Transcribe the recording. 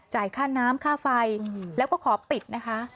ค่าน้ำค่าไฟแล้วก็ขอปิดนะคะ